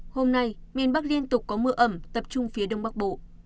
hôm nay miền bắc liên tục có mưa ẩm tập trung phía đông bắc bộ